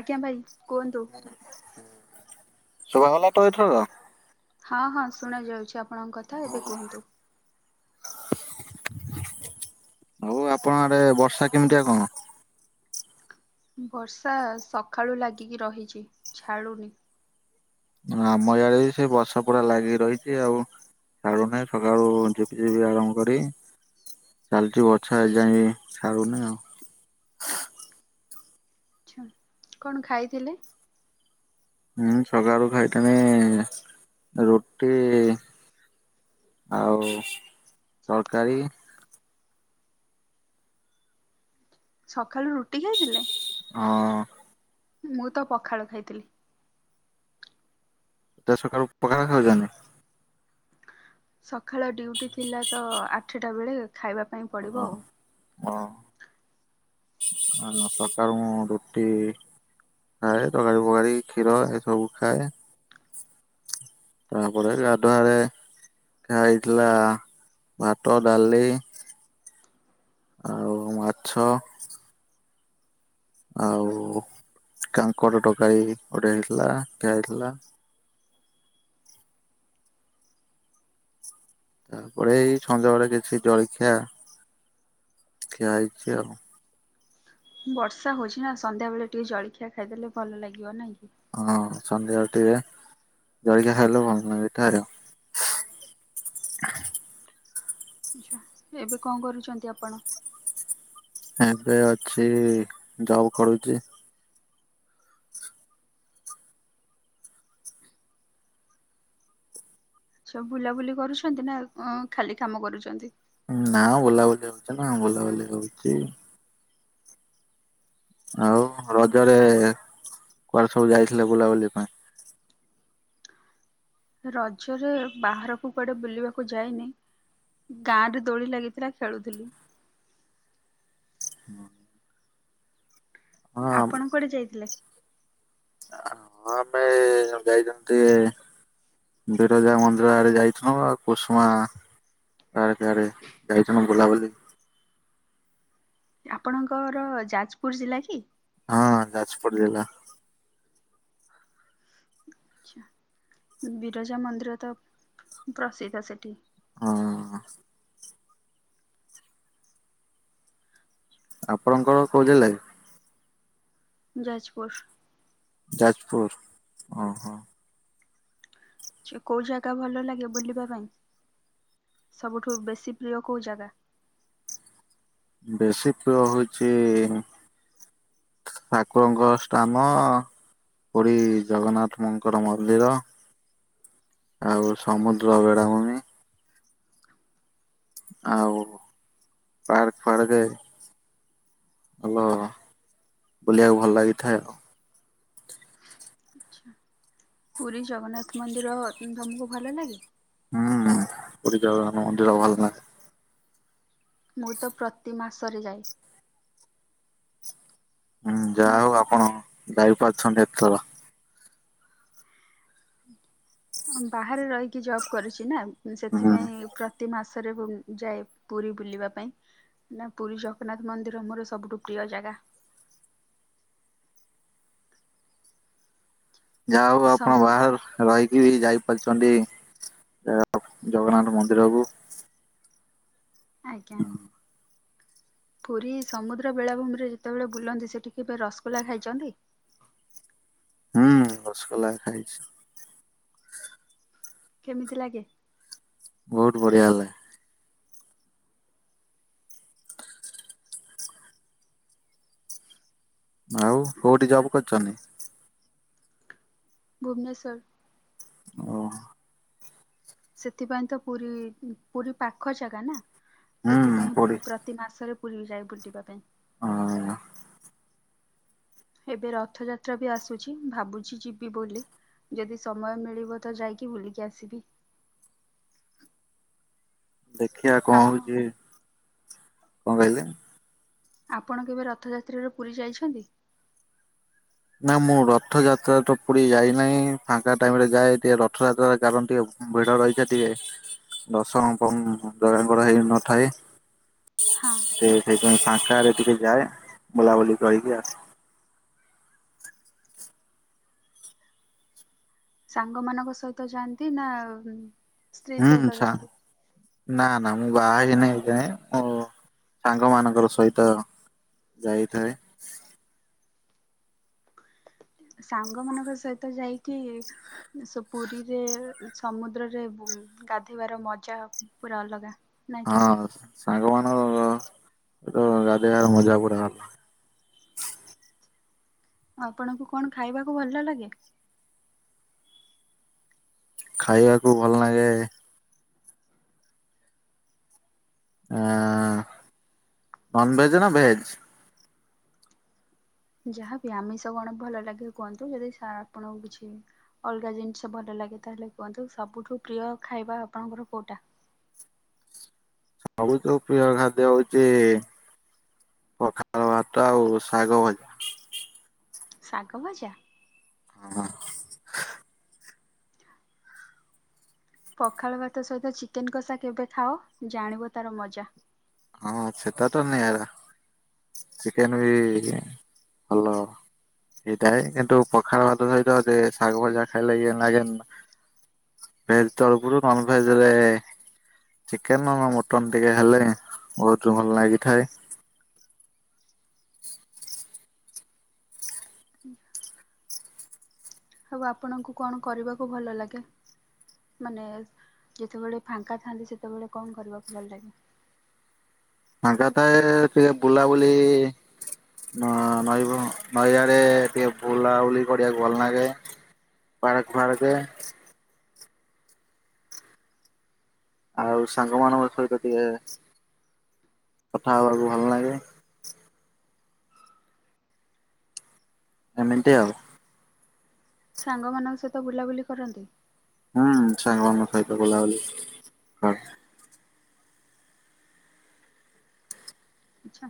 ଆଜ୍ଞା ଭାଇ କୁହନ୍ତୁ। ଶୁଭାଗଲା ତ ଏଇଥରକ? ହଁ ହଁ ଶୁଣାଯାଉଛି ଆପଣଙ୍କ କଥା ଏବେ କୁହନ୍ତୁ। ହଉ ଆପଣ ଆଡେ ବର୍ଷା କେମିତିଆ କଣ? ବର୍ଷା ସକାଳୁ ଲାଗିକି ରହିଛି ଛାଡୁନି। ଆମ ୟାଡେ ବି ସେଇ ବର୍ଷା ପଡା ଲାଗି କି ରହିଛି ଆଉ ଛାଡ଼ୁନାହିଁ ସକାଳୁ ଝିପି ଝିପି ଆରମ୍ଭ କରି ଚାଲିଛି ବଛା ଏ ଯାଇ ଛାଡୁନି ଆଉ। ଆଛା କଣ ଖାଇଥିଲେ? ମୁଁ ସକାଳୁ ଖାଇଥିନି ରୁଟି। ଆଉ ତରକାରୀ। ସଖାଳୁ ରୁଟି ଖାଇଥିଲେ। ହଁ। ମୁଁ ତ ପଖାଳ ଖାଇଥିଲି। ସକାଳୁ ପଖାଳ ଖାଉଚନ୍ତି। ସକାଳ ଡ୍ୟୁଟି ଥିଲା ତ ଆଠଟା ବେଳେ ଖାଇବା ପାଇଁ ପଡ଼ିବ ଆଉ। ଓ ଆ ସକାଳୁ ମୁଁ ରୁଟି। ଖାଏ ତରୀ ପକାରୀ କ୍ଷୀର ଏ ସବୁ ଖାଏ। ତାପରେ ଗାଧୁଆରେ ହେଇଥିଲା ଭାତ ଡାଲି। ଆଉ ମାଛ। ଆଉ କାଙ୍କର ତକାରି ଗୋଟେ ହେଇଥିଲା ଦିଆ ହେଇଥିଲା। ତାପରେ ଏଇ ସଧ୍ୟାବେଳେ କିଛି ଜଳଖିଆ। ଖିଆ ହେଇଛି ଆଉ। ବର୍ଷା ହଉଛି ନା ସନ୍ଧ୍ୟା ବେଳେ ଟିକେ ଜଳଖିଆ ଖାଇଦେଲେ ଭଲ ଲାଗିବ ନାଇଁ କି? ହଁ ସନ୍ଧ୍ୟାବେଳ ଟିକେ ଜଳିକି ଖାଇଲେ ଭଲ ନ ଏଠ ଆଉ। ଆଛା ଏବେ କଣ କରୁଛନ୍ତି ଆପଣ। ଏବେ ଅଛି ଜବ କରୁଛି। ସବୁ ବୁଲାବୁଲି କରୁଛନ୍ତି ନା ଖାଲି କାମ କରୁଛନ୍ତି। ନା ବୁଲାବୁଲି ହଉଛି ନା ବୁଲାବୁଲି କରୁଛି। ଆଉ ରଜରେ କୁଆଡେ ସବୁ ଯାଇଥିଲେ ବୁଲାବୁଲି ପାଇଁ। ରଜରେ ବାହାରକୁ କୁଆଡେ ବୁଲିବାକୁ ଯାଇନି। ଗାଁ ରେ ଦୋଳି ଲାଗିଥିଲା ଖେଳୁଥିଲି। ହଁ ହଁ ଆପଣ କୁଆଡେ ଯାଇଥିଲେ। ହଁ ଆମେ ଯାଇଥିଲି ଟିକେ ବିରଜା ମନ୍ଦିର ଆଡେ ଯାଇଥିଲୁ ଆଉ କୁସୁମା। ତଡ଼ ସଆାରେ ଯାଇଛନ୍ ବୁଲାବୁଲି। ଆପଣଙ୍କର ଯାଜପୁର ଜିଲ୍ଲା କି। ହଁ ଯାଜପୁର ଜିଲ୍ଲା। ଆଛା ବିରଜା ମନ୍ଦିର ତ ପ୍ରସିଦ୍ଧା ସେଥି। ହଁ। ଆପଣଙ୍କର କୋଉ ଜିଲ୍ଲା। ଯାଜପୁର ଯାଜପୁର ଓ ହୋ। କେଉଁ ଜାଗା ଭଲ ଲାଗେ ବୁଲିବା ପାଇଁ ସବୁଠୁ ବେଶୀ ପ୍ରିୟ କେଉଁ ଜାଗା? ବେଶୀ ତା ହଉଛି। ଠାକୁରଙ୍କ ସ୍ଥାନ ପୁରୀ ଜଗନ୍ନାଥ ମଙ୍କର ମନ୍ଦିର। ଆଉ ସମୁଦ୍ର ଭେଡଭୂମି ଆଉ ପାର୍କ ଫାର୍କ ହଲୋ ବୁଲିବାକୁ ଭଲ ଲାଗିଥାଏ ଆଉ। ଆଛା ପୁରୀ ଜଗନ୍ନାଥ ମନ୍ଦିର ତମକୁ ଭଲ ଲାଗେ? ହୁଁ ପୁରୀ ଦ୍ଵାର ମନ୍ଦିର ଭଲ ନାହିଁ। ମୁଁ ତ ପ୍ରତି ମାସରେ ଯାଏ। ହୁଁ ଯାହା ମତ ହଉ ଆପଣ ଯାଇ ପାରୁଛନ୍ତି ଏତେଥର। ବାହାରେ ରହିକି ଜବ୍ କରୁଛି ନା ହୁଁ ସେଥିପାଇଁ ପ୍ର ପ୍ରତି ମାସରେ ଯାଏ ପୁରୀ ବୁଲିବା ପାଇଁ। ନା ପୁରୀ ଜଗନ୍ନାଥ ମନ୍ଦିର ଆମର ସବୁଠୁ ପ୍ରିୟ ଜାଗା। ଯା ହଉ ଆପଣ ସମୁ ବାହାରୁ ରହିକି ବି ଯାଇପାରୁଛନ୍ତି ଜଗନ୍ନାଥ ମନ୍ଦିରକୁ। ଆଜ୍ଞା। ପୁରୀ ସମୁଦ୍ର ବେଳାଭୂମିରେ ଯେତେବେଳେ ବୁଲନ୍ତି ସେଠି କେବେ ରସଗୋଲା ଖାଇଛନ୍ତି? ହୁଁ ରସଗୋଲା ଖାଇଛି। କେମିତି ଲାଗେ? ବହୁତ୍ ବଢିଆ ହେଲେ। ଆଉ କୋଉଠି ଜବ୍ କରିଛନ୍ତି? ଭୁବନେଶ୍ୱର। ଓ। ସେଥିପାଇଁ ତ ପୁରୀ ପୁରୀ ପାଖ ଜାଗା ନା ହୁଁ ସେଥିପାଇଁ ପଡି [inaudible] ପ୍ରତି ମାସରେ ପୁରୀ ଯାଏ ବୁଲିବା ପାଇଁ। ଅହ ହ। ଏବେ ରଥଯାତ୍ରା ବି ଆସୁଛି ଭାବୁଛି ଯିବି ବୋଲି? ଯଦି ସମୟ ମିଳିବ ତ ଯାଇକି ବୁଲିକି ଆସିବି? ଦେଖିବା କଣ ଆପଣ ହଉଛି କଣ କହିଲେ? ଆପଣ କେବେ ରଥଯାତ୍ରାରେ ପୁରୀ ଯାଇଛନ୍ତି? ନା ମୁଁ ରଥଯାତ୍ରା ତ ପୁରୀ ଯାଇନାହିଁ ଫାଙ୍କା ଟାଇମରେ ଯାଏ ଟେ ରଥଯାତ୍ରାର କାରଣଟି ହବ ଭିଡ଼ ରହିଥାଏ ଟିକେ ଦଶନ କମ୍ ଜଗାଙ୍କର ହେଇନଥାଏ। ହାଁ। ସେ ସେଇପାଇଁ ଫାଙ୍କାହେଲେ ଟିକେ ଯାଏ ବୁଲାବୁଲି କରିକି ଆସେ। ସାଙ୍ଗ ମାନଙ୍କ ସହିତ ଯାଆନ୍ତି ନା ସ୍ତ୍ରୀ ସହିତ ହୁଁ ସା ଯାଆନ୍ତି? ନା ନା ମୁଁ ବାହା ହେଇନାହିଁ ଏ ଯାଏଁ ମୋ ସାଙ୍ଗ ମାନଙ୍କର ସହିତ ଯାଇଥାଏ। ସାଙ୍ଗ ମାନଙ୍କ ସହିତ ଯାଇକି ସୋ ପୁରୀରେ ସମୁଦ୍ରରେ ଗାଧେଇବାର ମଜା ପୁରା ଅଲଗା। ନାଇଁ କି ହଁ ସାଙ୍ଗମାନଙ୍କର ଏ ଗାଧେଇବା ମଜା ପୁରା ଅଲଗା। ଆପଣଙ୍କୁ କଣ ଖାଇବାକୁ ଭଲ ଲାଗେ? ଖାଇବାକୁ ଭଲ ଲାଗେ ଆଁ ନନ୍ ଭେଜ୍ ନା ଭେଜ୍? ଯାହାବି ଆମିଷ କଣ ଭଲ ଲାଗେ କୁହନ୍ତୁ ଯଦି ସା ଆପଣଙ୍କୁ କିଛି ଅଲଗା ଜିନିଷ ଭଲ ଲାଗେ ତାହେଲେ କୁହନ୍ତୁ ସବୁଠୁ ପ୍ରିୟ ଖାଇବା ଆପଣଙ୍କର କୋଉଟା? ସବୁତୁ ପ୍ରିୟ ଖାଦ୍ୟ ହଉଚି ପଖାଳ ଭାତ ଆଉ ଶାଗ ଭ ଶାଗ ଭଜା। ହଁ। ପଖାଳ ଭାତ ସହିତ ଚିକେନ୍ କଷା କେବେ ଖାଅ ଜାଣିବ ତାର ମଜା? ହଁ ସେତାଟା ନିଆରା ଚିକେନ ବି ଭଲ ସେଇଟା ହେ କିନ୍ତୁ ପଖାଳ ଭାତ ସହିତ ଯେ ଶାଗ ଭଜା ଖାଇଲେ ଇଏ ଲାଗେନା। ଭେଜ ତରଫରୁ ନନଭେଜରେ ଚିକେନ ନ ମଟନ ଟିକେ ହେଲେ ବହୁତ ଭଲ ଲାଗିଥାଏ। ହଜ୍ଞା ଆଉ ଆପଣଙ୍କୁ କଣ କରିବାକୁ ଭଲ ଲାଗେ? ମାନେ ଯେତେବେଳେ ଫାଙ୍କା ଥାନ୍ତି ସେତେବେଳେ କଣ କରିବାକୁ ଭଲ ଲାଗେ? ଫାଙ୍କା ଥାଏ ଟିକେ ବୁଲାବୁଲି ନ ନଈ ନଈଆଡେ ଟିକେ ବୁଲାବୁଲି କରିବାକୁ ଭଲ ଲାଗେ। ପାର୍କ ଫାର୍କେ ଆଉ ସାଙ୍ଗମାନାନଙ୍କ ସହିତ ଟିକେ କଥା ହବାକୁ ଭଲ ଲାଗେ। ଏମିତି ଆଉ। ସାଙ୍ଗମାନଙ୍କ ସହିତ ବୁଲାବୁଲି କରନ୍ତି? ହୁଁ ସାଙ୍ଗମାନଙ୍କ ସହିତ ବୁଲାବୁଲି [unintelligible] ଆଚ୍ଛା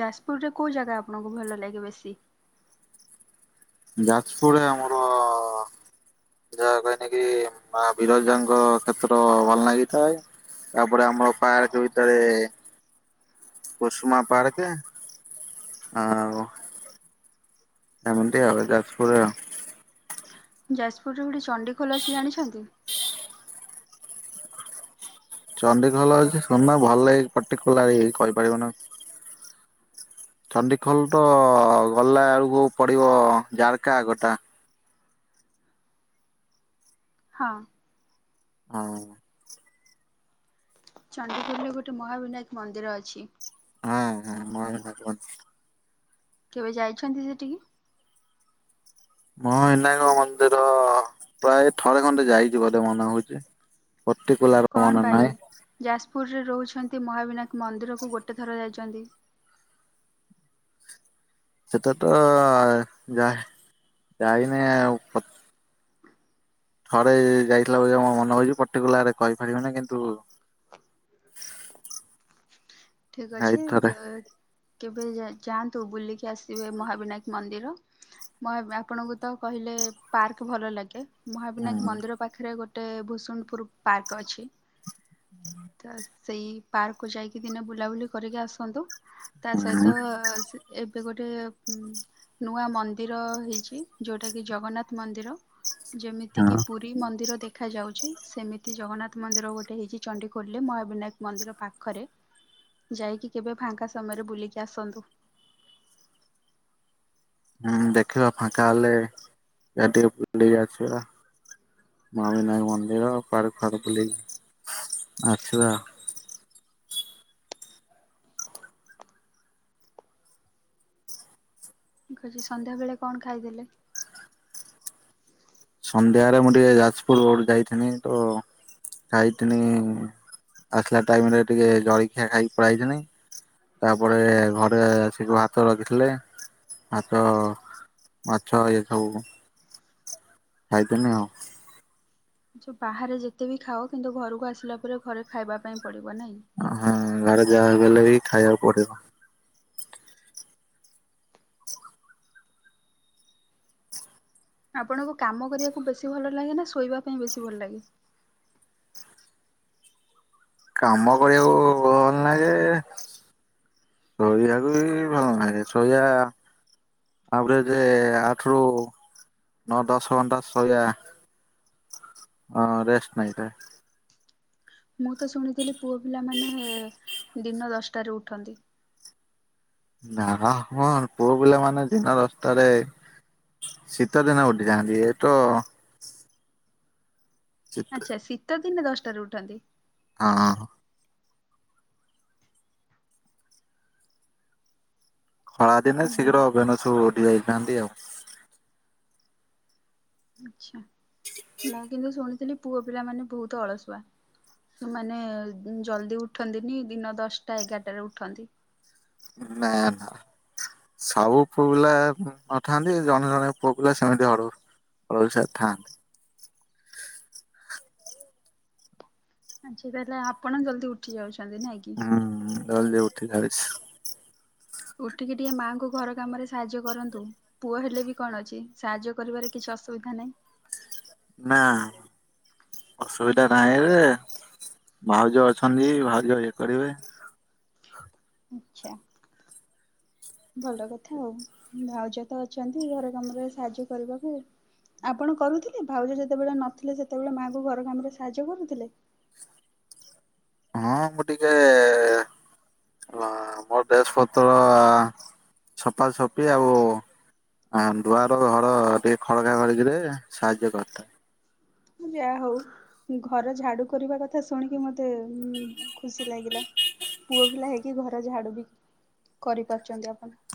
ଯାଜପୁରରେ କୋଉ ଜାଗା ଆପଣଙ୍କୁ ଭଲ ଲାଗେ ବେଶୀ? ଯାଜପୁର୍ ରେ ଆମର ଯାହା କହିନେ କି ମା ବିରଜାଙ୍କ କ୍ଷେତ୍ର ଭଲ ନାଗିଥାଏ। ତାପରେ ଆମର ପାର୍କ ଭିତରେ କସୁମା ପାର୍କ ଆଉ ଏମିତି ଆଉ ଏଇ ଯାଜପୁରରେ ଆଉ। ଯାଜପୁରରେ ଗୋଟେ ଚଣ୍ଡିଖୋଲ ଅଛି ଜାଣିଛନ୍ତି? ଚଣ୍ଡଡିଖୋଲ ଅଛି [unintelligible] ପର୍ଟିକୁଲାର କହିପାରିବିନି। ଚଣ୍ଡିଖୋଲ୍ ତ ଗଲା ବେଳୁକୁ ପଡିବ ଜାର୍କା ଆ। ହଁ। ହୁଁ। ଚଣ୍ଡିଖୋଲ୍ ରେ ଗୋଟେ ମହାବିନାୟକ ମନ୍ଦିର ଅଛି। [inaudible] କେବେ ଯାଇଛନ୍ତି ସେଠିକି? ମହାବିନାୟକ ମନ୍ଦିର ପ୍ରାୟ ଥରେ ଖଣ୍ଡେ ଯାଇଛି ବୋଧେ ମନେ ହଉଚି। ପଟିକୁଲାର୍ କଣ ଭାଇ ଯାଜପୁରରେ ରହୁଛନ୍ତି ମହାବିନାୟକ ମନ୍ଦିରକୁ ଗୋଟେ ଥର ଯାଇଚନ୍ତି। ସେଟା ତ ଯା ଯାଇନି ଆଉ ଥରେ ଯାଇଥିଲା [unintelligible] ମୋର ମନେ ହଉଚି ପର୍ଟିକୁଲାର୍ କହିପାରିବନି କିନ୍ତୁ ଠିକ୍ ଯାଇ ଅଛି ଥରେ [unintelligible] କେବେ ଯାଆନ୍ତୁ ବୁଲିକି ଆସିବେ ମହାବିନାୟକ୍ ମନ୍ଦିର। [unintelligible] ଆପଣଙ୍କୁ ତ କହିଲେ ପାର୍କ ଭଲ ଲାଗେ। ମହାବିନାୟକ୍ ହୁଁ ମନ୍ଦିର ପାଖରେ ଗୋଟେ ଭୂସୁଣପୁର ପାର୍କ ଅଛି, ତ ସେଇ ପାର୍କକୁ ଯାଇକି ଦିନେ ବୁଲାବୁଲି କରିକି ଆସନ୍ତୁ, ତା ସହିତ ହୁଁ ସେ ଏବେ ଗୋଟେ ନୂଆ ମନ୍ଦିର ହେଇଛି, ଯୋଉଟା କିି ଜଗନ୍ନାଥ ମନ୍ଦିର। ଯେମିତି ହଁ କିି ପୁରୀ ପୁରୀ ମନ୍ଦିର ଦେଖାଯାଉଛି ସେମିତି ଜଗନ୍ନାଥ ମନ୍ଦିର ଗୋଟେ ହେଇଛି ଚଣ୍ଡିଖୋଲରେ ମହାବିନାୟକ୍ ମନ୍ଦିର ପାଖରେ। ଯାଇକି କେବେ ଫାଙ୍କା ସମୟରେ ବୁଲିକି ଆସନ୍ତୁ। ହୁଁ ଦେଖିବା ଫାଙ୍କା ହେଲେ [unintelligible] ବୁଲିକି ଆସିବା। ମହାବିନାୟକ ମନ୍ଦିର ପାର୍କ ଫାର୍କ ବୁଲିକି ଆସିବା। ଠିକ୍ ଅଛି, ସନ୍ଧ୍ୟାବେଳେ କଣ ଖାଇଥିଲେ? ସନ୍ଧ୍ୟାରେ ମୁଁ ଟିକେ ଯାଜପୁର ରୋଡ ଯାଇଥିନି ତ ଖାଇଥିନି ଆସିଲା ଟାଇମ୍ ରେ ଟିକେ ଜଳଖିଆ ଖାଇକି ପଳେଇ ଆଇଥିନୀ। ତାପରେ ଘରେ ଆସିକି ଭାତ ରଖିଥିଲେ ମାଛ ମାଛ ଇଏ ସବୁ ଖାଇଥିନି ଆଉ। ଯୋଉ ବାହାରେ ଯେତେବି ଖାଅ କିନ୍ତୁ ଘରକୁ ଆସିଲା ପରେ ଘରେ ଖାଇବା ପାଇଁ ପଡିବ ନାଇଁ? ହଁ ଘରେ ଯାହା ଗଲେ ବି ଖାଇବାକୁ ପଡିବ। ଆପଣଙ୍କୁ କାମ କରିବାକୁ ବେଶି ଭଲ ଲାଗେ ନା ଶୋଇବା ପାଇଁ ବେଶୀ ଭଲ ଲାଗେ? କାମ କରିଆକୁ ଭଲ୍ ନଗେ। ଶୋଇବାକୁ ବି ଭଲ୍ ନାଗେ, ଶୋଇଆ ଆଭରେଯେ ଆଠରୁୁ ନଅ ଦଶ ଘଣ୍ଟା ଶୋଇଆ। ହଁ, ରେଷ୍ଟ ନେଇଥାଏ। ମୁଁ ତ ଶୁଣିଥିଲି, ପୁଅ ପିଲାମାନେ, ଦିନ ଦଶଟାରେ ଉଠନ୍ତି। ନା ହ ହଁ, ପୁଅ ପିଲା ମାନେ ଦିନ ଦଶ୍ ଟାରେ ଶୀତ ଦିନେ ଉଠି ଯାଆନ୍ତି, ଏ ତ ଶୀତ ଆଛା, ଶୀତ ଦିନେ ଦଶଟାରେ ଉଠନ୍ତି। ଅଁ ହଁ। ଖରାଦିନେ ଭଲ ଶୀଘ୍ର ବେନୁସୁ ଉଠି ଯାଇଥାନ୍ତି ଆଉ। ଆଛା, ମୁଁ କିନ୍ତୁ ଶୁଣିଥିଲି ପୁଅ ପିଲା ମାନେ ବହୁତ ଅଳସୁଆ। ସେମାନେ ଜଲ୍ଦି ଉଠନ୍ତିନି, ଦିନ ଦଶଟା ଏଗାରଟାରେ ଉଠନ୍ତି। ନା, ନା। ସବୁ ପୁଅ ପିଲା ନଥାନ୍ତି, ଜଣେ ଜଣେ ପୁଅ ପିଲା ସେମିତି ହଡ ରଇସା ଥାନ୍‌ ଆଜିକାଲି ଆପଣ ଜଲଦି ଉଠି ଯାଉଛନ୍ତି, ନାଇଁ କି? ହୁଁ, ଜଲଦି ଉଠି ଯାଉଛି। ଉଠିକି ଟିକେ ମାଆଙ୍କୁ ଘର କାମରେ ସାହାଯ୍ୟ କରନ୍ତୁ। ପୁଅ ହେଲେ ବି କଣ ଅଛି, ସାହାଯ୍ୟ କରିବାରେ କିଛି ଅସୁବିଧା ନାହିଁ। ନା। ଅସୁବିଧା ନାହିଁ ଯେ, ଭାଉଜ ଅଛନ୍ତି ଭାଉଜ ଇଏ କରିବେ। ଆଛା। ଭଲ କଥା ଆଉ, ଭାଉଜ ତ ଅଛନ୍ତି ଘର କାମରେ ସାହାଯ୍ୟ କରିବାକୁ। ଆପଣ କରୁଥିଲେ, ଭାଉଜ ଯେତେବେଳେ ନଥିଲେ, ସେତେବେଳେ ମାଆଙ୍କୁ ଘର କାମରେ ସାହାଯ୍ୟ କରୁଥିଲେ? ହଁ, ମୁଁ ଟିକେ ମୋ ଡ୍ରେସ ପତର ଛପା ସପି ଆଉ ଆଁ ଦୁଆର ଘର ଟିକେ ଖଡକା ଖଡକିରେ ସାହାଯ୍ୟ କରିଥାଏ। ମୁଁ ଯା ହଉ। ଘର ଝାଡୁ କରିବା କଥା ଶୁଣିକି ମତେ ଖୁସି ଲାଗିଲା। ପୁଅ ପିଲା ହେଇକି ଘର ଝାଡୁ ବି, କରିପାରୁଚନ୍ତି ଆପଣ।